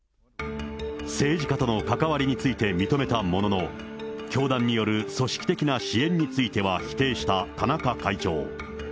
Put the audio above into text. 政治家との関わりについて認めたものの、教団による組織的な支援については否定した田中会長。